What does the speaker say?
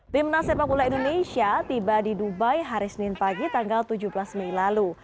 timnas sepak bola indonesia tiba di dubai hari senin pagi tanggal tujuh belas mei lalu